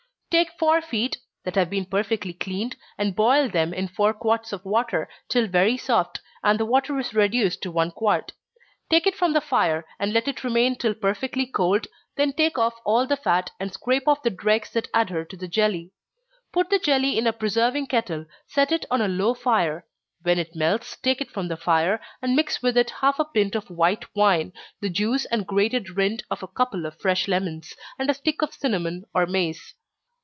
_ Take four feet, (that have been perfectly cleaned,) and boil them, in four quarts of water, till very soft, and the water is reduced to one quart. Take it from the fire, and let it remain till perfectly cold, then take off all the fat, and scrape off the dregs that adhere to the jelly. Put the jelly in a preserving kettle, set it on a slow fire when it melts, take it from the fire, and mix with it half a pint of white wine, the juice and grated rind of a couple of fresh lemons, and a stick of cinnamon or mace.